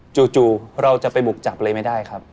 จู่เราจะไปบุกจับอะไรไม่ได้ครับ